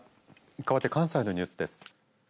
かわって、関西のニュースです。